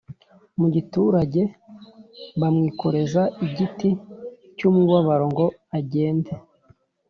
mu giturage bamwikoreza igiti cy umubabaro ngo agende